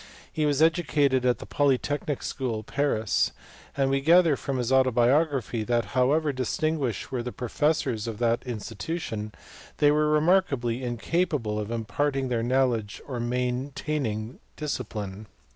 He was educated at the Polytechnic school, Paris, and we gather from his autobiography that however distinguished were the professors of that institution they were remarkably incapable of imparting their knowledge or main taining discipline.